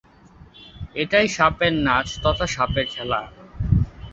এটাই সাপের নাচ তথা সাপের খেলা।